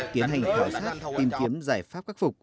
tiến hành khảo sát tìm kiếm giải pháp khắc phục